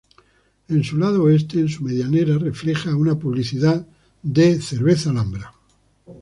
En su lado oeste, en su medianera, refleja una publicidad de Coca-Cola.